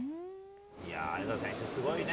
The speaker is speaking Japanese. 羽田選手、すごいね。